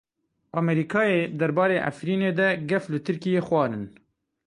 Amerîkayê derbarê Efrînê de gef li Tirkiyê xwarin.